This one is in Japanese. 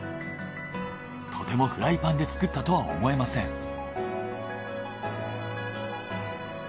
とてもフライパンで作ったとは思えません。